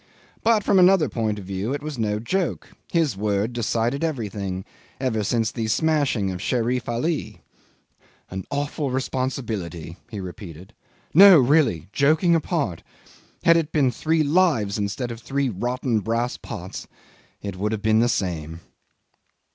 But from another point of view it was no joke. His word decided everything ever since the smashing of Sherif Ali. An awful responsibility," he repeated. "No, really joking apart, had it been three lives instead of three rotten brass pots it would have been the same.